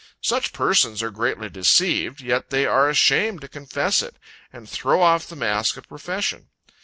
Such persons are greatly deceived, yet they are ashamed to confess it, and throw off the mask of profession.